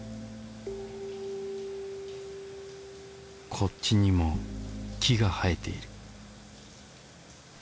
こっちにも木が生えている。